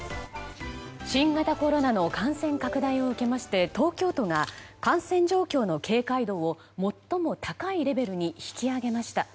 新型コロナの感染拡大を受けまして東京都が感染状況の警戒度を最も高いレベルに引き上げました。